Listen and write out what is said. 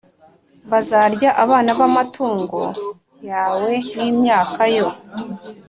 Bazarya abana b amatungo yawe n imyaka yo